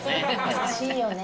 優しいよね